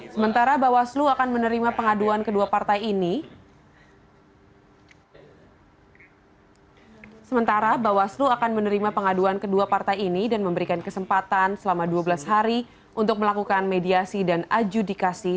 sementara bawaslu akan menerima pengaduan kedua partai ini dan memberikan kesempatan selama dua belas hari untuk melakukan mediasi dan adjudikasi